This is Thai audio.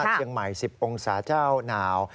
เชียงใหม่๑๐องศาเจ้าหนาว